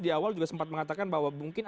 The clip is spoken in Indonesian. di awal juga sempat mengatakan bahwa mungkin